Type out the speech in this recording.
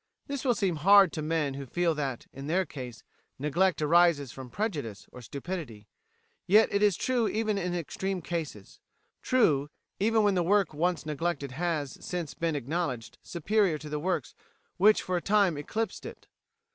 This will seem hard to men who feel that, in their case, neglect arises from prejudice or stupidity. Yet it is true even in extreme cases; true even when the work once neglected has since been acknowledged superior to the works which for a time eclipsed it.